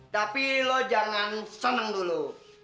tapi lo jangan senang dulu